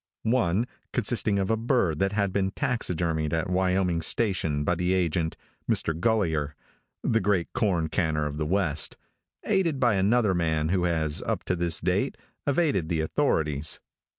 One, consisting of a bird that had been taxidermed at Wyoming station by the agent, Mr. Gulliher, the great corn canner of the west, aided by another man who has, up to this date, evaded the authorities.